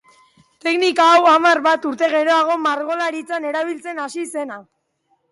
Teknika hau hamar bat urte geroago margolaritzan erabiltzen hasi zena.